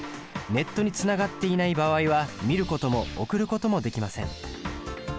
ネットにつながっていない場合は見ることも送ることもできません。